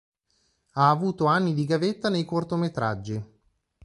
Ha avuto anni di gavetta nei cortometraggi.